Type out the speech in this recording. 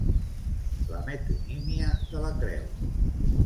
La metonímia de la creu.